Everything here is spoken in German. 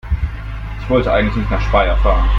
Ich wollte eigentlich nicht nach Speyer fahren